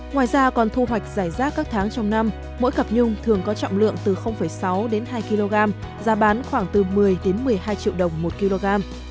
ngoài ra còn thu hoạch giải rác các tháng trong năm mỗi cặp nhung thường có trọng lượng từ sáu đến hai kg giá bán khoảng từ một mươi một mươi hai triệu đồng một kg